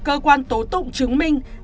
cơ quan tố tụng chứng minh